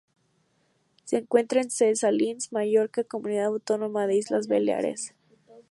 Se encuentra en Ses Salines, Mallorca, comunidad autónoma de Islas Baleares, España.